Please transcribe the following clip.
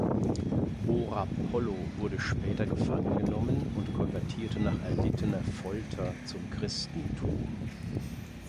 Horapollo wurde später gefangen genommen und konvertierte nach erlittener Folter zum Christentum.